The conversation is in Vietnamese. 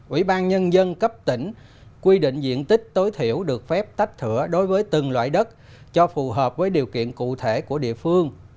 ủy ban nhân dân cấp tỉnh quy định diện tích tối thiểu được phép tách thửa đối với từng loại đất cho phù hợp với điều kiện cụ thể của địa phương